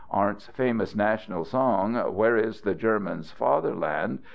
Arndt's famous national song, "Where is the German's Fatherland?"